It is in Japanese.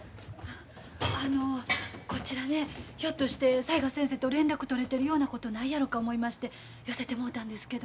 あのこちらでひょっとして雑賀先生と連絡取れてるようなことないやろか思いまして寄せてもうたんですけど。